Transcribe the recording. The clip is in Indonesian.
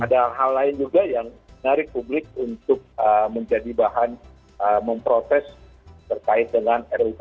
ada hal lain juga yang menarik publik untuk menjadi bahan memprotes terkait dengan ruu